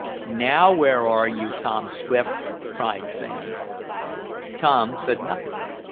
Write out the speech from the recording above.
"Now where are you, Tom Swift?" cried Sam. Tom said nothing.